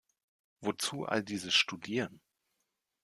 Wozu all dieses Studieren?